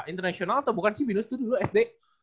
international atau bukan sih binus tuh dulu sd